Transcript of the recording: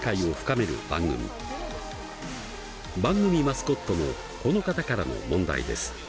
番組マスコットのこの方からの問題です！